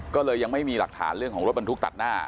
ก็เลยยังไม่มีหลักฐานเรื่องของรถบรรทุกตัดหน้า